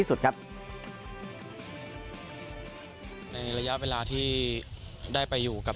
สมุทรสอนยังแข็งแรง